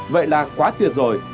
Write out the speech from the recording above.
vậy là quá tuyệt rồi